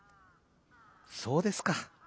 「そうですか。